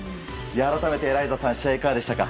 改めて、エライザさん試合、いかがでしたか？